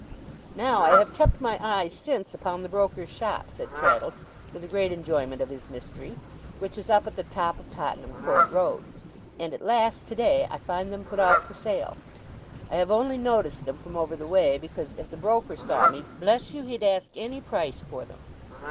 Now, I have kept my eye since, upon the broker's shop,' said Traddles, with a great enjoyment of his mystery, 'which is up at the top of Tottenham Court Road, and, at last, today I find them put out for sale. I have only noticed them from over the way, because if the broker saw me, bless you, he'd ask any price for them!